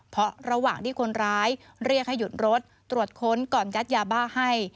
เพราะระหว่างที่คนร้ายเรียกให้หยุดรถตรวจค้นก่อนยัดยาบ้าให้